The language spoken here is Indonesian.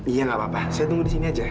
iya nggak apa apa saya tunggu di sini aja